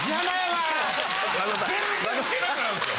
全然ウケなくなるんですよ。